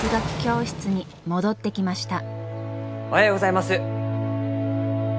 おはようございます。